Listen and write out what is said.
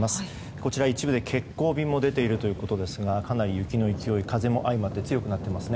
こちら、一部で欠航便も出ているということですがかなり雪の勢いが風も相まって強くなっていますね。